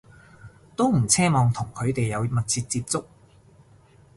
都唔奢望同佢哋有密切接觸